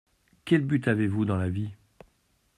Quel but avez-vous dans la vie ?